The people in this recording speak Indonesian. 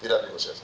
tidak ada negosiasi